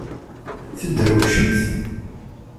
Tedrewcemt?